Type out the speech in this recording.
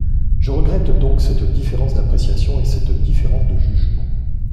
Je regrette donc cette différence d’appréciation et cette différence de jugement.